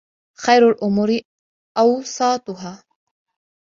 خَيْرُ الْأُمُورِ أَوْسَاطُهَا